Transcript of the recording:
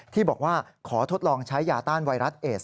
ที่บอกว่าขอทดลองใช้ยาต้านไวรัสเอส